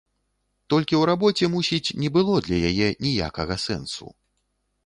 Толькі ў рабоце, мусіць, не было для яе ніякага сэнсу.